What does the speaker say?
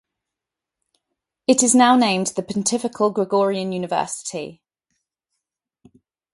It is now named the Pontifical Gregorian University.